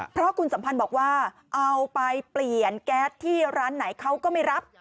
เพราะคุณสัมพันธ์บอกว่าเอาไปเปลี่ยนแก๊สที่ร้านไหนเขาก็ไม่รับ